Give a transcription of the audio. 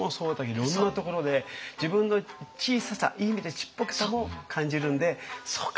いろんなところで自分の小ささいい意味でちっぽけさも感じるんで「そうか」って。